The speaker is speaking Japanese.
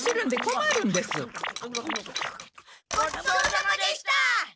ごちそうさまでした！